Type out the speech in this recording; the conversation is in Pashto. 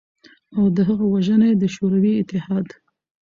او د هغه وژنه ېې د شوروی اتحاد